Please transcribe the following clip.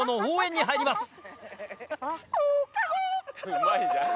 うまいじゃん。